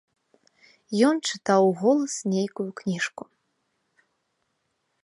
Ён чытаў уголас нейкую кніжку.